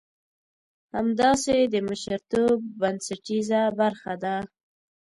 همداسې د مشرتوب بنسټيزه برخه ده.